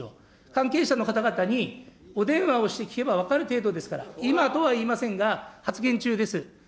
関係者の方々にお電話をして聞けば分かる程度ですから、今とは言いませんが、発言中です。